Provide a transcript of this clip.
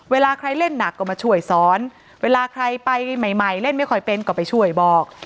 เวลาใครเล่นหนักก็มาช่วยสอนเวลาใครไปใหม่เล่นไม่ค่อยเป็นก็ไปช่วยบอก